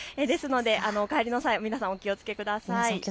お帰りの際、皆さんお気をつけください。